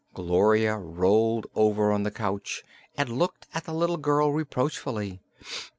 Gloria rolled over on the couch and looked at the little girl reproachfully.